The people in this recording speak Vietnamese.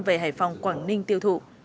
về hải phòng quảng ninh tiêu thụ